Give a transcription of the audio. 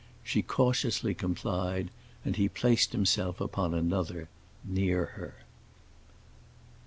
She cautiously complied, and he placed himself upon another, near her.